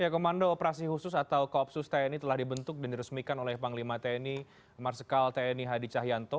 komando operasi khusus atau koopsus tni telah dibentuk dan diresmikan oleh panglima tni marsikal tni hadi cahyanto